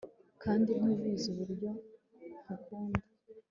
kandi ntubizi uburyo nkukunda